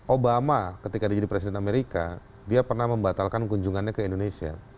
obama ketika dia jadi presiden amerika dia pernah membatalkan kunjungannya ke indonesia